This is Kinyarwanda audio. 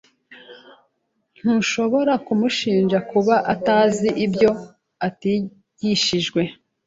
Ntushobora kumushinja kuba atazi ibyo atigishijwe.